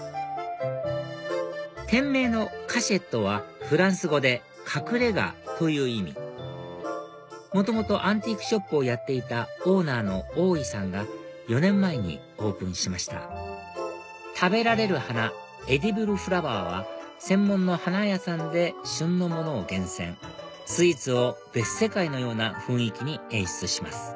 店名のｃａｃｈｅｔｔｅはフランス語で隠れ家という意味元々アンティークショップをやっていたオーナーの大井さんが４年前にオープンしました食べられる花エディブルフラワーは専門の花屋さんで旬のものを厳選スイーツを別世界のような雰囲気に演出します